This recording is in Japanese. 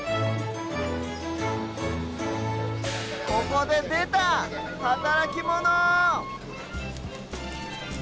ここででたはたらきモノ！